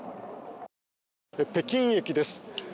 北京駅です。